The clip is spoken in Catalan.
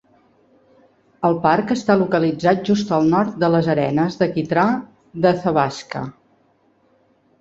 El parc està localitzat just al nord de les Arenes de quitrà d'Athabasca.